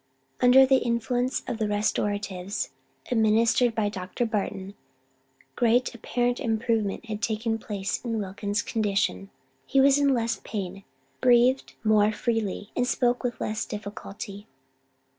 Under the influence of restoratives administered by Dr. Barton, great apparent improvement had taken place in Wilkins' condition; he was in less pain, breathed more freely, and spoke with less difficulty.